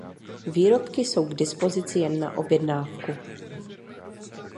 Výrobky jsou k dispozici jen na objednávku.